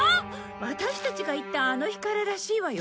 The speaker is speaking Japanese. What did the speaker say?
ワタシたちが行ったあの日かららしいわよ。